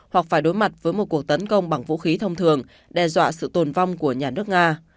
hoặc phải đối mặt với một cuộc tấn công bằng vũ khí thông thường đe dọa sự tồn vong của nhà nước nga